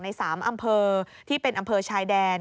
ใน๓อำเภอที่เป็นอำเภอชายแดน